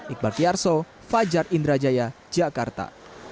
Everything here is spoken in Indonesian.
iqbal kiarso fajar indrajaya jakarta